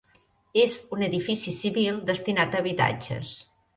És un edifici civil destinat a habitatges.